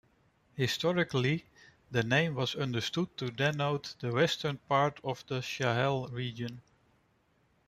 Historically, the name was understood to denote the western part of the Sahel region.